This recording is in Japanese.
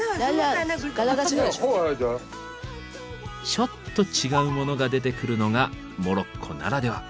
ちょっと違うモノが出てくるのがモロッコならでは。